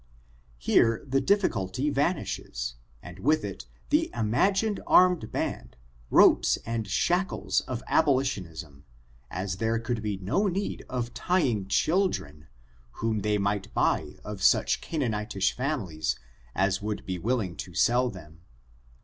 Here the difficulty vanishes, and with it the imag ined armed band, ropes and shackles of abolitionism, as there could be no need of tying children, whom they might buy of suchCanaanitish families as would be willing to sell them.